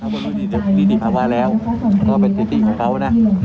เพราะนิติภาวะแล้วก็เป็นสถิติของเขานะ